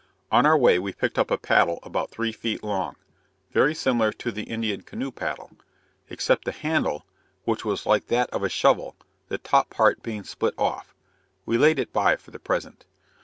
On our way picked up a paddle about three feet long, very similar to the Indian canoe paddle, except the handle, which was like that of a shovel, the top part being split off; we laid it by for the present.